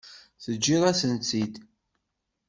Teǧǧiḍ-asent-tt-id.